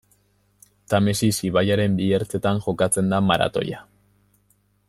Tamesis ibaiaren bi ertzetan jokatzen da maratoia.